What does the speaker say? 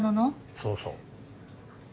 そうそう。